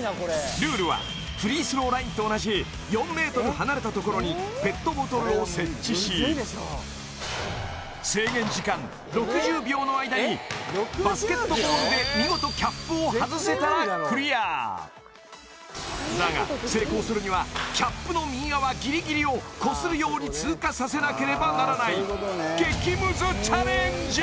ルールはフリースローラインと同じ４ｍ離れたところにペットボトルを設置し制限時間６０秒の間にバスケットボールで見事だが成功するにはキャップの右側ギリギリをこするように通過させなければならない激ムズチャレンジ